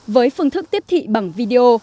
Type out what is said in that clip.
với phương thức tiếp thị bằng video